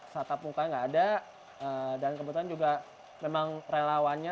tatap muka nggak ada dan kebetulan juga memang relawannya